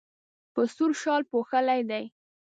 په سور شال پوښلی دی.